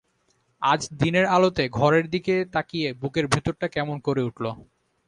আজ দিনের আলোতে ঘরের দিকে তাকিয়ে বুকের ভিতরটা কেমন করে উঠল!